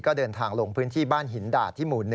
ก็เดินทางลงพื้นที่บ้านหินดาดที่หมู่๑